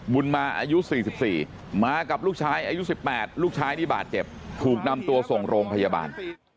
บุญมาอายุ๔๔มากับลูกชายอายุ๑๘ลูกชายนี่บาดเจ็บถูกนำตัวส่งโรงพยาบาล